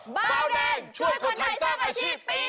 เบาแดงช่วยคนไทยสร้างอาชีพปี๒